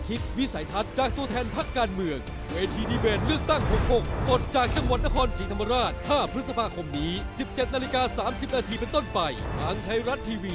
ขอบคุณคุณเสดท้ายครับขอบคุณครับ